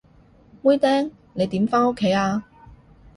妹釘，你點返屋企啊？